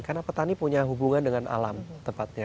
karena petani punya hubungan dengan alam tepatnya